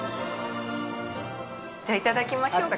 じゃあ頂きましょうか。